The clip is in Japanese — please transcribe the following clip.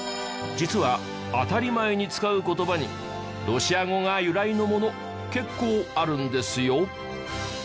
実は当たり前に使う言葉にロシア語が由来のもの結構あるんですよ。